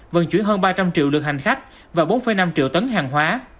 vận chuyển hơn ba trăm linh triệu lượt hành khách và bốn năm triệu tấn hàng hóa